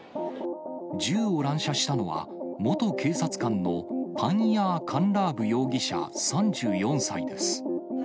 銃を乱射したのは、元警察官のパンヤー・カンラーブ容疑者３４歳です。